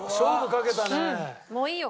もういいよ。